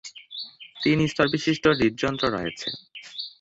তিন-স্তরবিশিষ্ট হৃদযন্ত্র রয়েছে।